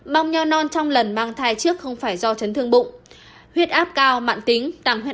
bong nhau non trong lần mang thai trước không phải do chấn thương bụng